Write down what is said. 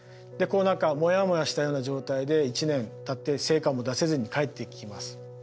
こう何かもやもやしたような状態で１年たって成果も出せずに帰ってきます。